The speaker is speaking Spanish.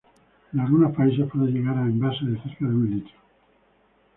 En algunos países puede llegar a envases de cerca de un litro.